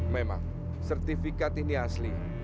memang sertifikat ini asli